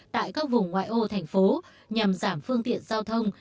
tại các vùng ngoại ô thành phố nhằm giảm phương tiện giao thông